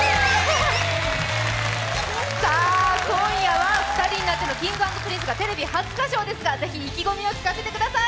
さあ、今夜は２人になってＫｉｎｇ＆Ｐｒｉｎｃｅのテレビ初歌唱ですが、是非意気込みを聞かせてください。